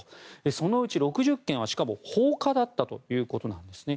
そのうち６０件はしかも放火だったということなんですね。